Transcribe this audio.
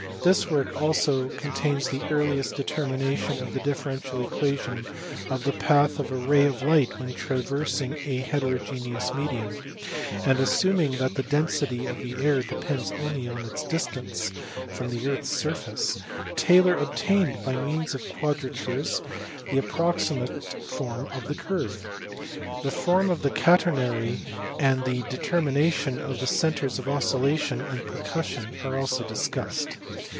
This work also contains the earliest determination of the differential equation of the path of a ray of light when traversing a heterogeneous medium ; and, assuming that the density of the air depends only on its distance from the earth s surface, Taylor obtained by means of quadratures the approximate form of the curve. The form of the catenary and the determination of the centres of oscillation and percussion are also discussed.